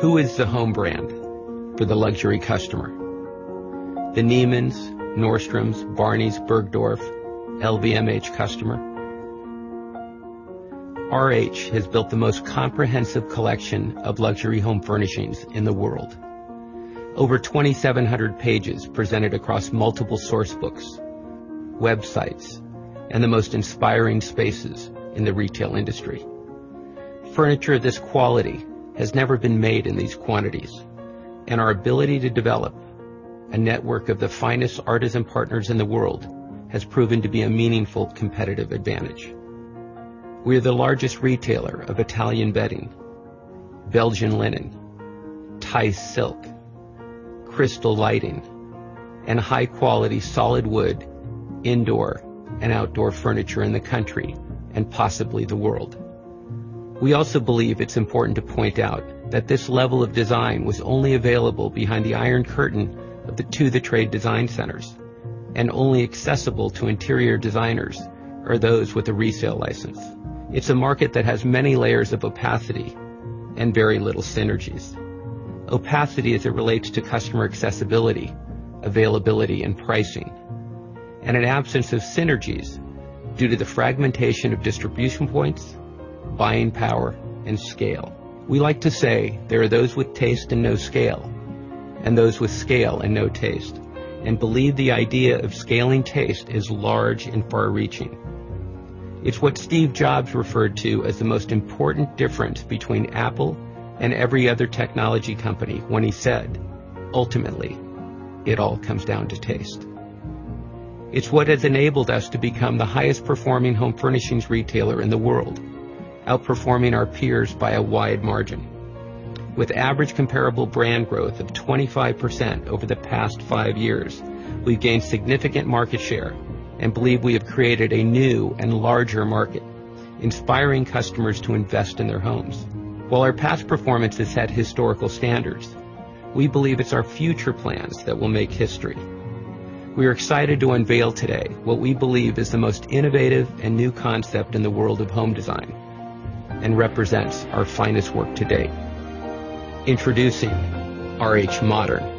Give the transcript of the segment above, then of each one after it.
Who is the home brand for the luxury customer? The Neiman's, Nordstrom's, Barneys, Bergdorf, LVMH customer. RH has built the most comprehensive collection of luxury home furnishings in the world. Over 2,700 pages presented across multiple source books, websites, and the most inspiring spaces in the retail industry. Furniture of this quality has never been made in these quantities, and our ability to develop a network of the finest artisan partners in the world has proven to be a meaningful competitive advantage. We are the largest retailer of Italian bedding, Belgian linen, Thai silk, crystal lighting, and high-quality solid wood indoor and outdoor furniture in the country, and possibly the world. We also believe it's important to point out that this level of design was only available behind the Iron Curtain of the to-the-trade design centers, and only accessible to interior designers or those with a resale license. It's a market that has many layers of opacity and very little synergies. Opacity as it relates to customer accessibility, availability, and pricing. An absence of synergies due to the fragmentation of distribution points, buying power, and scale. We like to say there are those with taste and no scale, and those with scale and no taste, and believe the idea of scaling taste is large and far-reaching. It's what Steve Jobs referred to as the most important difference between Apple and every other technology company when he said, "Ultimately, it all comes down to taste." It's what has enabled us to become the highest performing home furnishings retailer in the world, outperforming our peers by a wide margin. With average comparable brand growth of 25% over the past five years, we've gained significant market share and believe we have created a new and larger market, inspiring customers to invest in their homes. While our past performance has set historical standards, we believe it's our future plans that will make history. We are excited to unveil today what we believe is the most innovative and new concept in the world of home design and represents our finest work to date. Introducing RH Modern.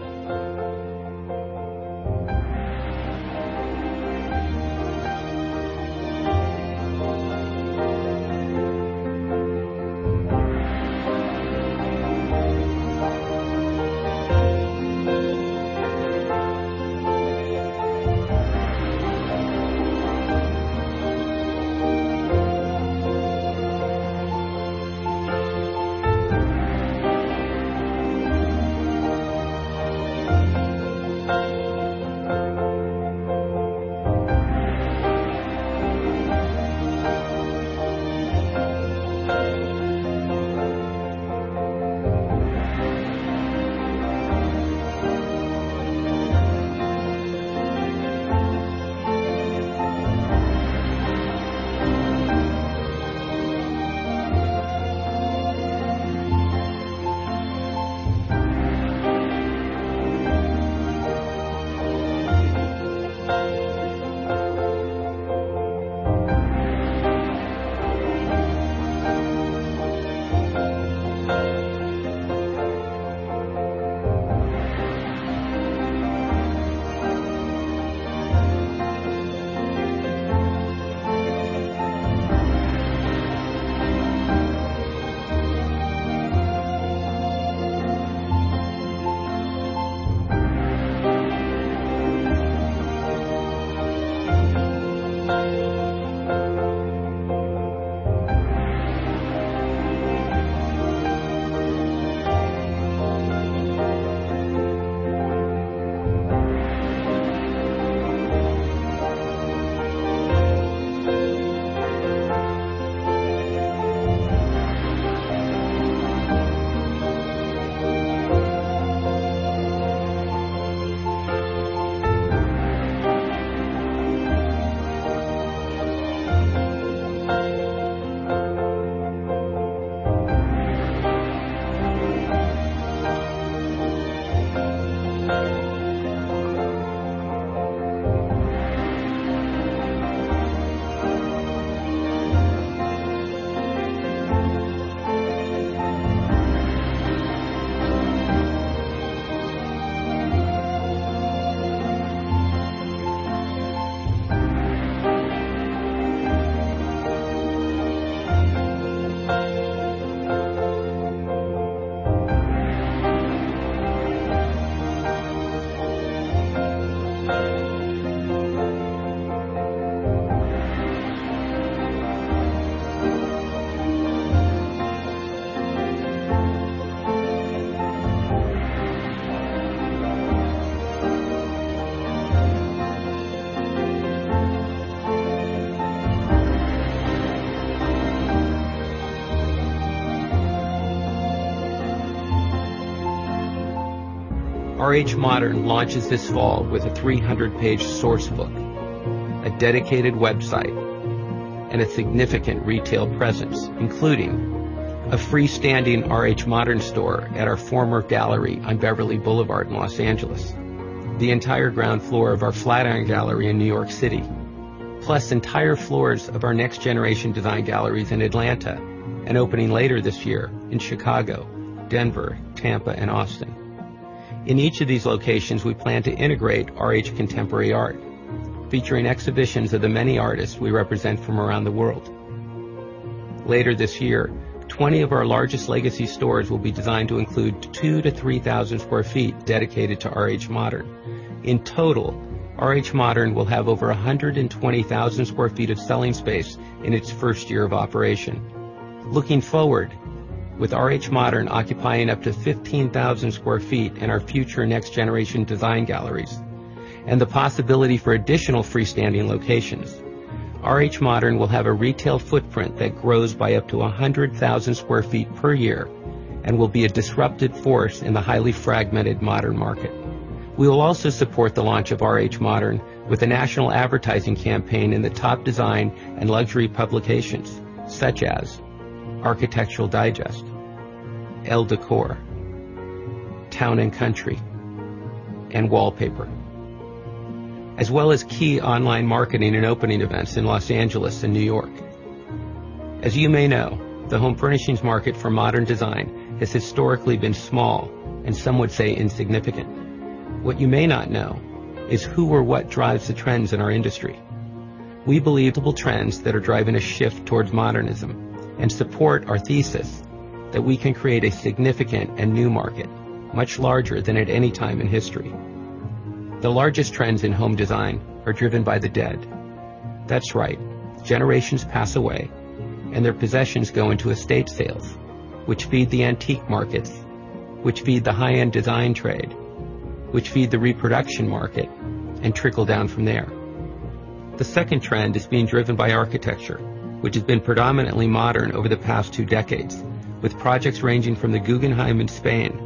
RH Modern launches this fall with a 300-page source book, a dedicated website, and a significant retail presence, including a freestanding RH Modern store at our former gallery on Beverly Boulevard in Los Angeles, the entire ground floor of our Flatiron gallery in New York City. Entire floors of our Next Generation Design Galleries in Atlanta and opening later this year in Chicago, Denver, Tampa and Austin. In each of these locations, we plan to integrate RH Contemporary Art, featuring exhibitions of the many artists we represent from around the world. Later this year, 20 of our largest legacy stores will be designed to include 2,000 to 3,000 sq ft dedicated to RH Modern. In total, RH Modern will have over 120,000 sq ft of selling space in its first year of operation. Looking forward, with RH Modern occupying up to 15,000 sq ft in our future Next Generation Design Galleries and the possibility for additional freestanding locations, RH Modern will have a retail footprint that grows by up to 100,000 sq ft per year and will be a disruptive force in the highly fragmented modern market. We will also support the launch of RH Modern with a national advertising campaign in the top design and luxury publications such as Architectural Digest, Elle Decor, Town & Country, and Wallpaper, as well as key online marketing and opening events in Los Angeles and New York. As you may know, the home furnishings market for modern design has historically been small, and some would say insignificant. What you may not know is who or what drives the trends in our industry. We believe trends that are driving a shift towards modernism and support our thesis that we can create a significant and new market, much larger than at any time in history. The largest trends in home design are driven by the dead. That's right, generations pass away and their possessions go into estate sales, which feed the antique markets, which feed the high-end design trade, which feed the reproduction market, and trickle down from there. The second trend is being driven by architecture, which has been predominantly modern over the past two decades, with projects ranging from the Guggenheim in Spain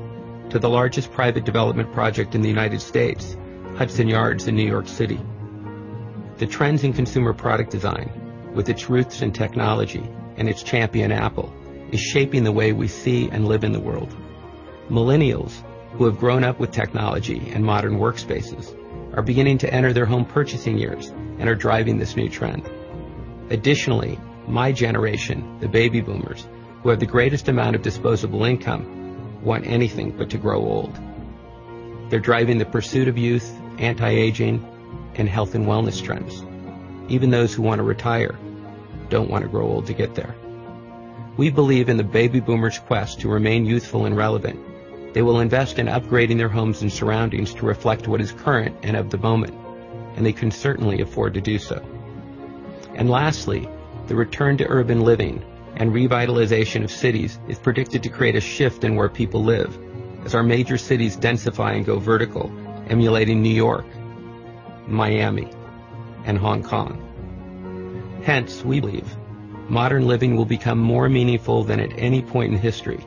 to the largest private development project in the United States, Hudson Yards in New York City. The trends in consumer product design, with its roots in technology and its champion, Apple, is shaping the way we see and live in the world. Millennials who have grown up with technology and modern workspaces are beginning to enter their home purchasing years and are driving this new trend. Additionally, my generation, the baby boomers, who have the greatest amount of disposable income, want anything but to grow old. They're driving the pursuit of youth, anti-aging, and health and wellness trends. Even those who want to retire don't want to grow old to get there. We believe in the baby boomers quest to remain youthful and relevant. They will invest in upgrading their homes and surroundings to reflect what is current and of the moment, and they can certainly afford to do so. Lastly, the return to urban living and revitalization of cities is predicted to create a shift in where people live as our major cities densify and go vertical, emulating New York, Miami, and Hong Kong. Hence, we believe modern living will become more meaningful than at any point in history,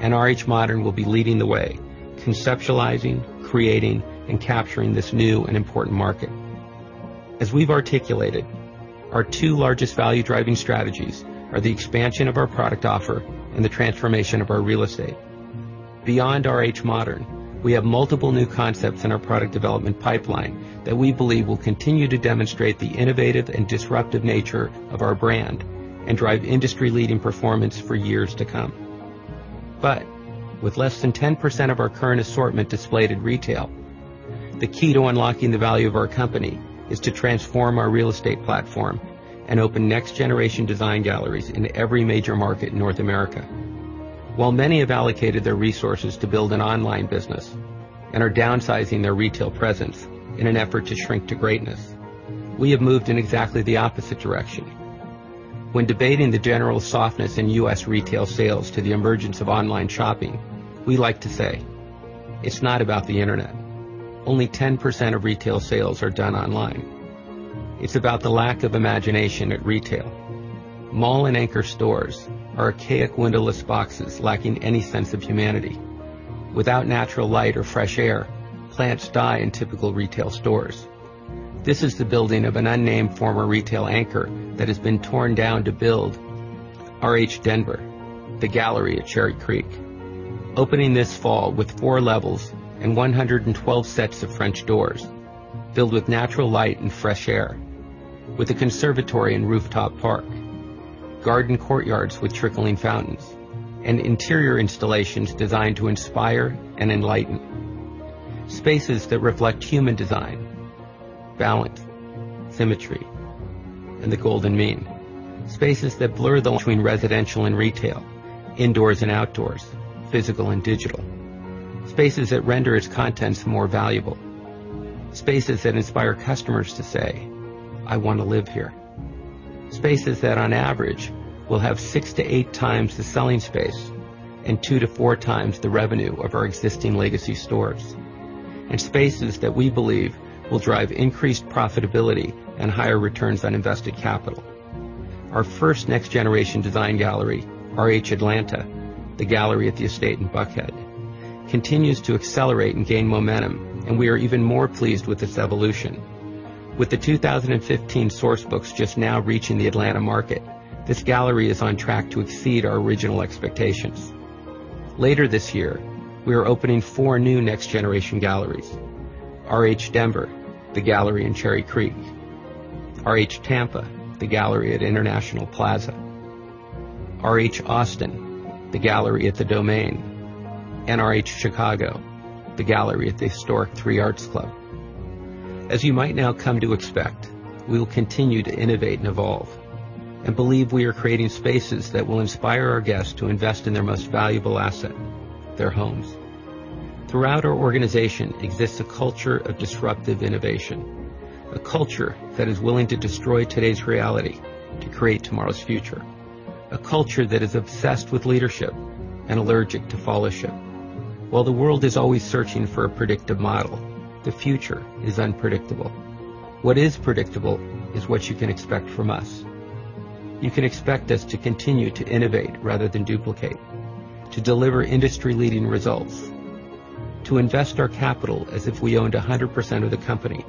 and RH Modern will be leading the way, conceptualizing, creating, and capturing this new and important market. As we've articulated, our two largest value-driving strategies are the expansion of our product offer and the transformation of our real estate. Beyond RH Modern, we have multiple new concepts in our product development pipeline that we believe will continue to demonstrate the innovative and disruptive nature of our brand and drive industry-leading performance for years to come. With less than 10% of our current assortment displayed at retail, the key to unlocking the value of our company is to transform our real estate platform and open Next Generation Design Galleries in every major market in North America. While many have allocated their resources to build an online business and are downsizing their retail presence in an effort to shrink to greatness, we have moved in exactly the opposite direction. When debating the general softness in U.S. retail sales to the emergence of online shopping, we like to say, "It's not about the Internet. Only 10% of retail sales are done online. It's about the lack of imagination at retail." Mall and anchor stores are archaic windowless boxes lacking any sense of humanity. Without natural light or fresh air, plants die in typical retail stores. This is the building of an unnamed former retail anchor that has been torn down to build RH Denver, The Gallery at Cherry Creek. Opening this fall with four levels and 112 sets of French doors filled with natural light and fresh air, with a conservatory and rooftop park, garden courtyards with trickling fountains, and interior installations designed to inspire and enlighten. Spaces that reflect human design, balance, symmetry, and the golden mean. Spaces that blur the line between residential and retail, indoors and outdoors, physical and digital. Spaces that render its contents more valuable. Spaces that inspire customers to say, "I want to live here." Spaces that on average, will have six to eight times the selling space and two to four times the revenue of our existing legacy stores. Spaces that we believe will drive increased profitability and higher returns on invested capital. Our first Next Generation Design Gallery, RH Atlanta, The Gallery at the Estate in Buckhead, continues to accelerate and gain momentum, and we are even more pleased with its evolution. With the 2015 Source Books just now reaching the Atlanta market, this gallery is on track to exceed our original expectations. Later this year, we are opening four new Next Generation Galleries, RH Denver, The Gallery at Cherry Creek; RH Tampa, The Gallery at International Plaza; RH Austin, The Gallery at The Domain; and RH Chicago, The Gallery at the Historic Three Arts Club. As you might now come to expect, we will continue to innovate and evolve, and believe we are creating spaces that will inspire our guests to invest in their most valuable asset, their homes. Throughout our organization exists a culture of disruptive innovation, a culture that is willing to destroy today's reality to create tomorrow's future, a culture that is obsessed with leadership and allergic to followership. While the world is always searching for a predictive model, the future is unpredictable. What is predictable is what you can expect from us. You can expect us to continue to innovate rather than duplicate, to deliver industry-leading results, to invest our capital as if we owned 100% of the company,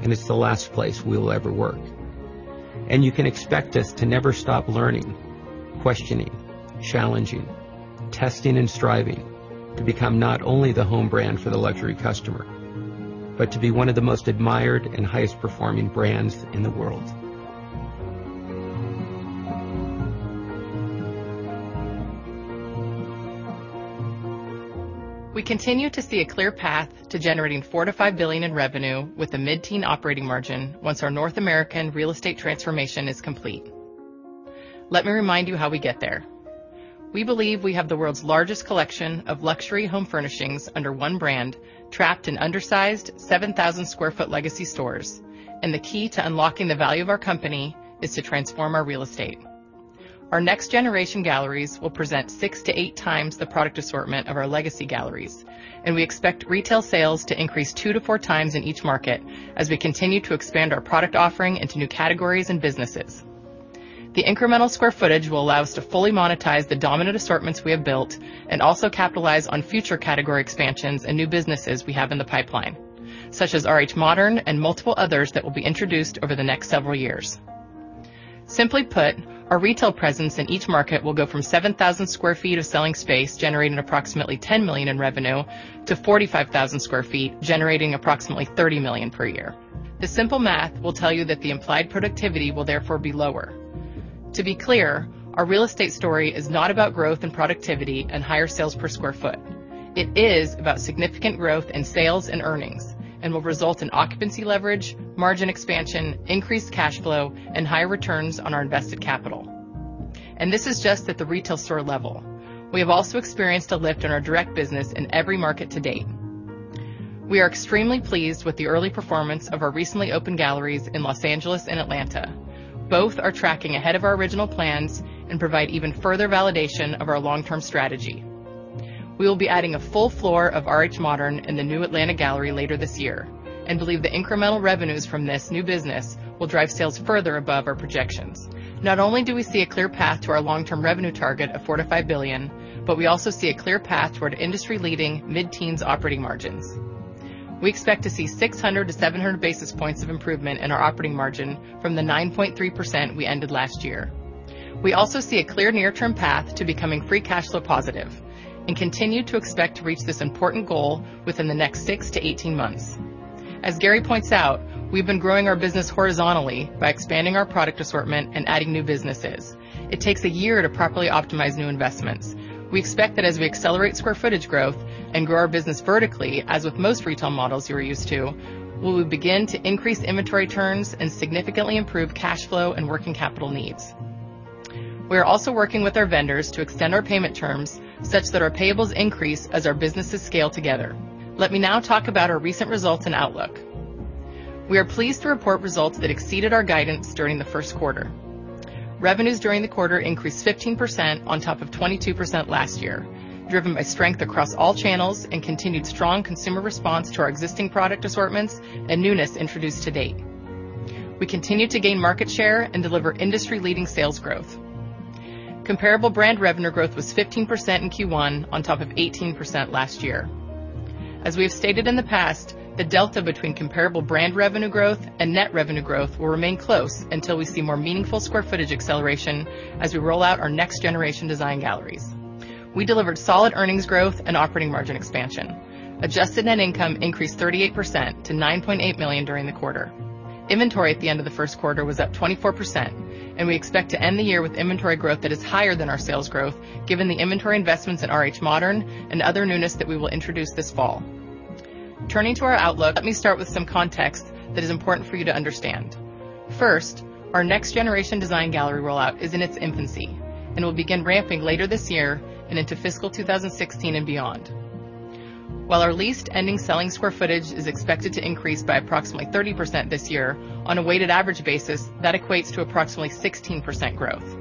and it's the last place we will ever work. You can expect us to never stop learning, questioning, challenging, testing, and striving to become not only the home brand for the luxury customer, but to be one of the most admired and highest performing brands in the world. We continue to see a clear path to generating $4 billion to $5 billion in revenue with a mid-teen operating margin once our North American real estate transformation is complete. Let me remind you how we get there. We believe we have the world's largest collection of luxury home furnishings under one brand, trapped in undersized 7,000 square foot legacy stores. The key to unlocking the value of our company is to transform our real estate. Our Next Generation Galleries will present six to eight times the product assortment of our legacy galleries. We expect retail sales to increase two to four times in each market as we continue to expand our product offering into new categories and businesses. The incremental square footage will allow us to fully monetize the dominant assortments we have built and also capitalize on future category expansions and new businesses we have in the pipeline, such as RH Modern and multiple others that will be introduced over the next several years. Simply put, our retail presence in each market will go from 7,000 square feet of selling space, generating approximately $10 million in revenue, to 45,000 square feet, generating approximately $30 million per year. The simple math will tell you that the implied productivity will therefore be lower. To be clear, our real estate story is not about growth and productivity and higher sales per square foot. It is about significant growth in sales and earnings and will result in occupancy leverage, margin expansion, increased cash flow, and higher returns on our invested capital. This is just at the retail store level. We have also experienced a lift in our direct business in every market to date. We are extremely pleased with the early performance of our recently opened galleries in Los Angeles and Atlanta. Both are tracking ahead of our original plans and provide even further validation of our long-term strategy. We will be adding a full floor of RH Modern in the new Atlanta gallery later this year and believe the incremental revenues from this new business will drive sales further above our projections. Not only do we see a clear path to our long-term revenue target of $4 billion to $5 billion, we also see a clear path toward industry-leading mid-teens operating margins. We expect to see 600 to 700 basis points of improvement in our operating margin from the 9.3% we ended last year. We also see a clear near-term path to becoming free cash flow positive and continue to expect to reach this important goal within the next six to 18 months. As Gary points out, we've been growing our business horizontally by expanding our product assortment and adding new businesses. It takes a year to properly optimize new investments. We expect that as we accelerate square footage growth and grow our business vertically, as with most retail models you are used to, we will begin to increase inventory turns and significantly improve cash flow and working capital needs. We are also working with our vendors to extend our payment terms such that our payables increase as our businesses scale together. Let me now talk about our recent results and outlook. We are pleased to report results that exceeded our guidance during the first quarter. Revenues during the quarter increased 15% on top of 22% last year, driven by strength across all channels and continued strong consumer response to our existing product assortments and newness introduced to date. We continue to gain market share and deliver industry-leading sales growth. Comparable brand revenue growth was 15% in Q1 on top of 18% last year. As we have stated in the past, the delta between comparable brand revenue growth and net revenue growth will remain close until we see more meaningful square footage acceleration as we roll out our Next Generation Design Galleries. We delivered solid earnings growth and operating margin expansion. Adjusted net income increased 38% to $9.8 million during the quarter. Inventory at the end of the first quarter was up 24%, and we expect to end the year with inventory growth that is higher than our sales growth, given the inventory investments at RH Modern and other newness that we will introduce this fall. Turning to our outlook, let me start with some context that is important for you to understand. First, our Next Generation Design Gallery rollout is in its infancy and will begin ramping later this year and into fiscal 2016 and beyond. While our leased ending selling square footage is expected to increase by approximately 30% this year, on a weighted average basis, that equates to approximately 16% growth.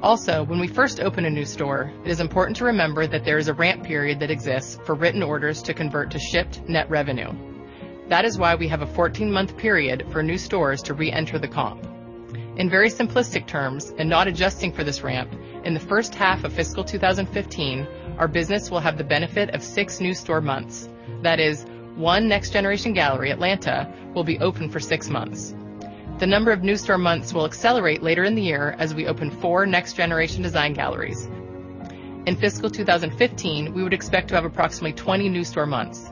Also, when we first open a new store, it is important to remember that there is a ramp period that exists for written orders to convert to shipped net revenue. That is why we have a 14-month period for new stores to reenter the comp. In very simplistic terms, and not adjusting for this ramp, in the first half of fiscal 2015, our business will have the benefit of six new store months. That is, one Next Generation Gallery, Atlanta, will be open for six months. The number of new store months will accelerate later in the year as we open four Next Generation Design Galleries. In fiscal 2015, we would expect to have approximately 20 new store months.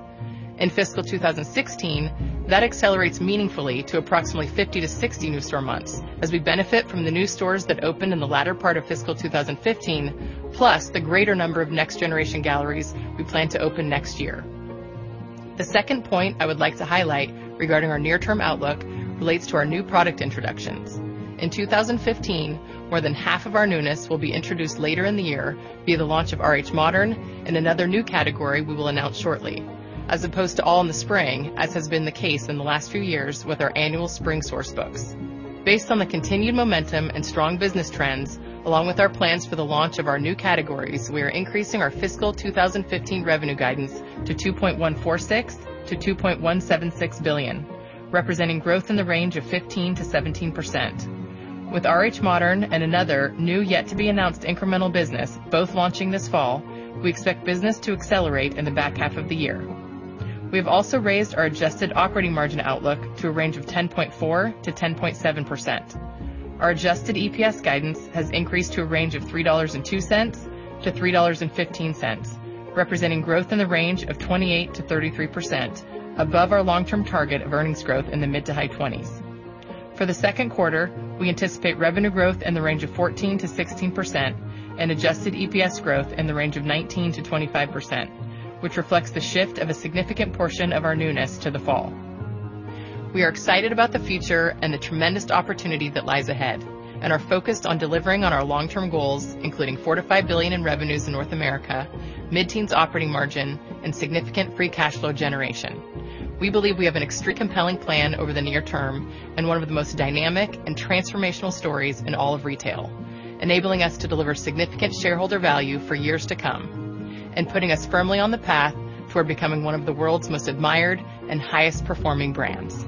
In fiscal 2016, that accelerates meaningfully to approximately 50-60 new store months as we benefit from the new stores that opened in the latter part of fiscal 2015, plus the greater number of Next Generation Galleries we plan to open next year. The second point I would like to highlight regarding our near-term outlook relates to our new product introductions. In 2015, more than half of our newness will be introduced later in the year via the launch of RH Modern and another new category we will announce shortly, as opposed to all in the spring, as has been the case in the last few years with our annual spring Source Books. Based on the continued momentum and strong business trends, along with our plans for the launch of our new categories, we are increasing our fiscal 2015 revenue guidance to $2.146 billion-$2.176 billion, representing growth in the range of 15%-17%. With RH Modern and another new, yet to be announced incremental business both launching this fall, we expect business to accelerate in the back half of the year. We have also raised our adjusted operating margin outlook to a range of 10.4%-10.7%. Our adjusted EPS guidance has increased to a range of $3.02-$3.15, representing growth in the range of 28%-33%, above our long-term target of earnings growth in the mid to high 20s. For the second quarter, we anticipate revenue growth in the range of 14%-16% and adjusted EPS growth in the range of 19%-25%, which reflects the shift of a significant portion of our newness to the fall. We are excited about the future and the tremendous opportunity that lies ahead and are focused on delivering on our long-term goals, including $4 billion-$5 billion in revenues in North America, mid-teens operating margin, and significant free cash flow generation. We believe we have an extremely compelling plan over the near term and one of the most dynamic and transformational stories in all of retail, enabling us to deliver significant shareholder value for years to come and putting us firmly on the path toward becoming one of the world's most admired and highest performing brands.